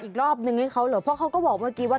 อีกรอบนึงให้เขาเหรอเพราะเขาก็บอกเมื่อกี้ว่า